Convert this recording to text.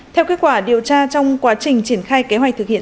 theo kết quả điều tra trong quá trình triển khai kế hoạch thực hiện